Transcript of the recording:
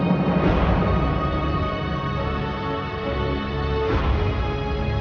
lakukan apapun ini